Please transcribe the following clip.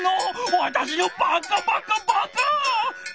わたしのバカバカバカ！